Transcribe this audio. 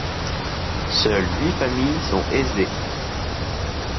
Seules huit familles sont aisées.